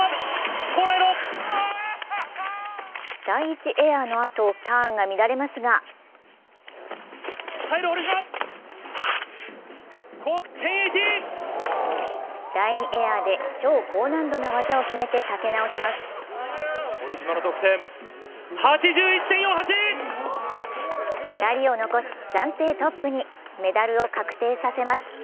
第１エアのあと、ターンが乱れますが第２エアで超高難度な技を決めて立て直します。